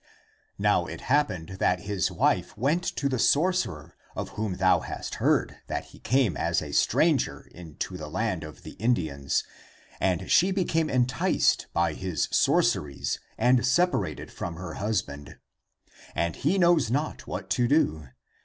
Now it happened that his wife went to the sorcerer, of whom thou hast heard that he came as a stranger into the land of the Indians, and she became enticed by his sorceries and sepa rated from her husband. And he knows not what to do.